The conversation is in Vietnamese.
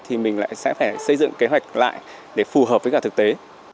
thì mình lại sẽ phải xây dựng kế hoạch lại để phù hợp với cả thực tế